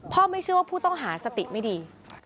ไม่เชื่อว่าผู้ต้องหาสติไม่ดี